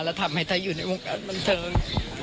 แล้วทำให้ไทยอยู่ในวงการบันเทิง